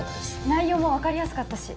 内容もわかりやすかったし。